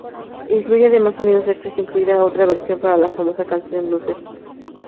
Incluye además sonidos extras, incluida otra versión para la famosa canción "Loser".